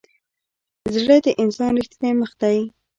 زړه د انسان ریښتینی مخ دی.